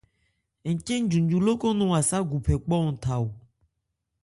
Ncɛ́n njunju lókɔn nɔn Aságu phɛ kpánhɔn tha.